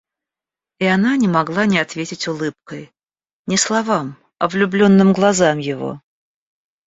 И она не могла не ответить улыбкой — не словам, а влюбленным глазам его.